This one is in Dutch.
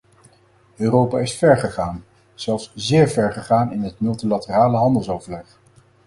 Europa is ver gegaan, zelfs zeer ver gegaan in het multilaterale handelsoverleg.